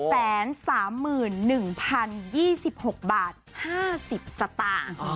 ๓๓๑๐๒๖บาท๕๐สตางค์